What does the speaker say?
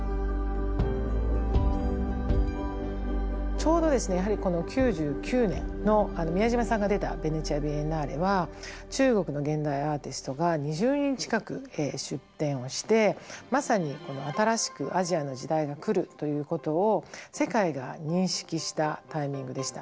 ちょうどですねやはりこの９９年の宮島さんが出たベネチア・ビエンナーレは中国の現代アーティストが２０人近く出展をしてまさに新しくアジアの時代が来るということを世界が認識したタイミングでした。